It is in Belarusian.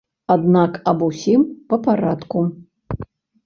Аднак аб усім па парадку.